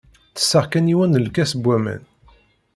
Tesseɣ kan yiwen n lkas n waman.